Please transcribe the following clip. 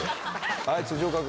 はい岡君。